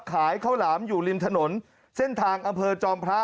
ข้าวหลามอยู่ริมถนนเส้นทางอำเภอจอมพระ